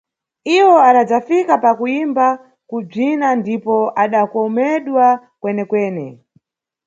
Iwo adadzafika pa kuyimba, kubzina ndipo adakomedwa kwenekwene.